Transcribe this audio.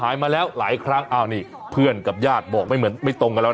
มาแล้วหลายครั้งอ้าวนี่เพื่อนกับญาติบอกไม่เหมือนไม่ตรงกันแล้วนะ